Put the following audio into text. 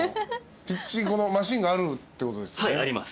ピッチングマシンがあるってことですね？